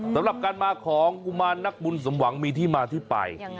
สำหรับการมาของกุมารนักบุญสมหวังมีที่มาที่ไป